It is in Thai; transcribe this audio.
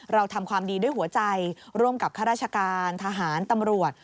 เราทำความดีด้วยหัวใจร่วมกับข้าราชการทหารตำรวจ